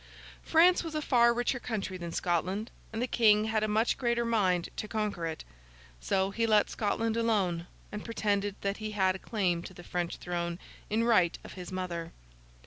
France was a far richer country than Scotland, and the King had a much greater mind to conquer it. So, he let Scotland alone, and pretended that he had a claim to the French throne in right of his mother.